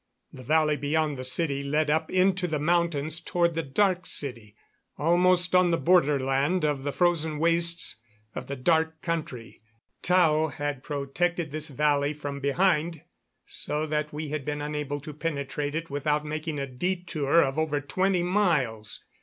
The valley beyond the city led up into the mountains toward the Dark City, almost on the borderland of the frozen wastes of the Dark Country. Tao had protected this valley from behind so that we had been unable to penetrate it without making a detour of over twenty miles.